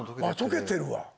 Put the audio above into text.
とけてるわ！